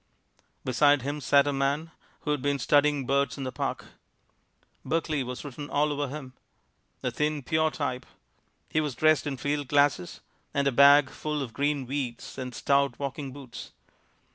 Beside him sat a man who had been studying birds in the Park. Berkeley was written all over him. A thin, pure type. He was dressed in field glasses and a bag full of green weeds and stout walking boots.